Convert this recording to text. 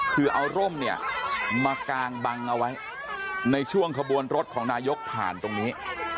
คือเอาร่มเนี่ยมากางบังเอาไว้ในช่วงขบวนรถของนายกผ่านตรงนี้